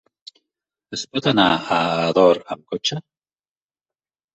Es pot anar a Ador amb cotxe?